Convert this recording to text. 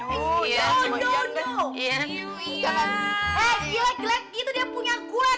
hei gilek gilek dia tuh dia punya gue